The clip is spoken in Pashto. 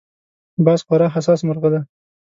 باز خورا حساس مرغه دی